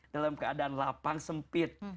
dalam lapang sempit